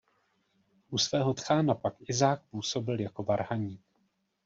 U svého tchána pak Izák působil jako varhaník.